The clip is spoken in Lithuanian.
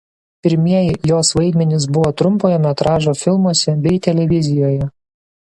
Pirmieji jos vaidmenys buvo trumpojo metražo filmuose bei televizijoje.